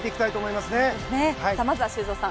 まずは、修造さん